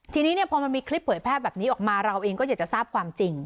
ทีนี้เนี่ยพอมันมีคลิปเผยแพร่แบบนี้ออกมาเราเองก็อยากจะทราบความจริง